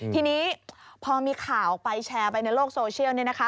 ทีนี้พอมีข่าวออกไปแชร์ไปในโลกโซเชียลเนี่ยนะคะ